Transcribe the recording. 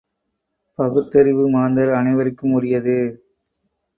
பகுத்தறிவு மாந்தர் அனைவருக்கும் உரியது.